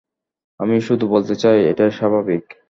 আমি শুধু বলতে চাই, এটা স্বাভাবিক!